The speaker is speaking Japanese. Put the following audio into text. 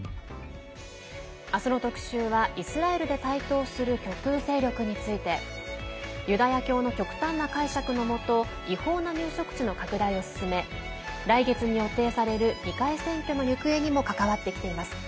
明日の特集はイスラエルで台頭する極右勢力についてユダヤ教の極端な解釈のもと違法な入植地の拡大を進め来月に予定される議会選挙の行方にも関わってきています